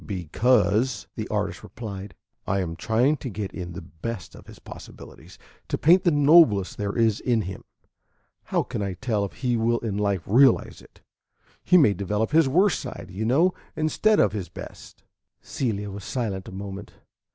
"Because," the artist replied, "I am trying to get in the best of his possibilities; to paint the noblest there is in him. How can I tell if he will in life realize it? He may develop his worst side, you know, instead of his best." Celia was silent a moment.